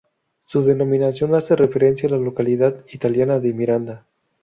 Su denominación hace referencia a la localidad italiana de Miranda.